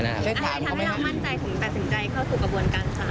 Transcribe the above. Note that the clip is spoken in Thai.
อะใครทำให้เรามั่นใจมาถึงกระบวนการสาร